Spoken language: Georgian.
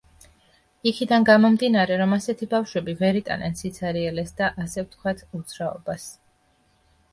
იქიდან გამომდინარე, რომ ასეთი ბავშვები ვერ იტანენ სიცარიელეს და ასე ვთქვათ, უძრაობას.